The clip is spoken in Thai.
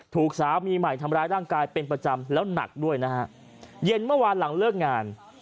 ถูกสามีใหม่ทำร้ายร่างกายเป็นประจำแล้วหนักด้วยนะฮะเย็นเมื่อวานหลังเลิกงาน